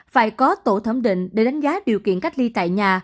phải có tổ thẩm định để đánh giá điều kiện cách ly tại nhà